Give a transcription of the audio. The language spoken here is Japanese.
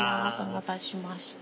お待たせしました。